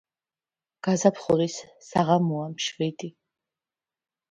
Გაზაფხულის საღამოა მშვიდი...